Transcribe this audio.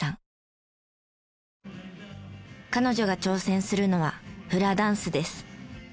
彼女が挑戦するのはフラダンスです。